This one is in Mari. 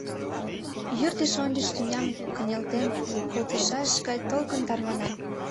Йӱр деч ончыч тӱням кынелтен колтышаш гай толкын тарвана.